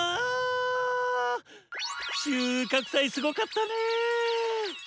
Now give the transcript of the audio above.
収穫祭すごかったね！